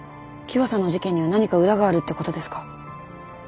喜和さんの事件には何か裏があるってことですか？